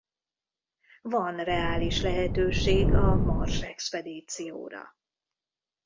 Van reális lehetőség a Mars expedícióra.